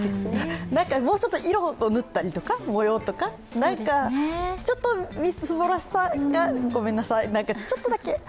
もうちょっと色を塗ったりとか、模様とかちょっとみすぼらしさが、ごめんなさい、ちょっとだけ。